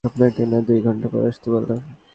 আপনাকে না দুই ঘণ্টা পর আসতে বললাম!